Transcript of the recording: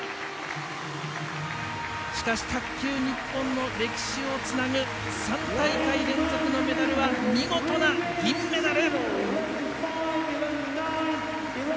しかし卓球日本の歴史をつなぐ３大会連続のメダルは見事な銀メダル！